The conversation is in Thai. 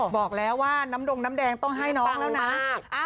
บอกแล้วว่าน้ำดงน้ำแดงต้องให้น้องแล้วนะ